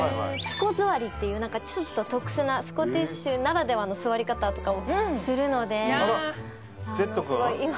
スコ座りっていう何かちょっと特殊なスコティッシュならではの座り方とかをするのであらぜっとくん？